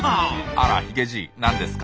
あらヒゲじい何ですか？